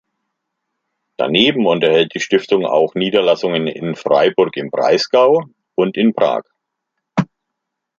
Daneben unterhält die Stiftung auch Niederlassungen in Freiburg im Breisgau und in Prag.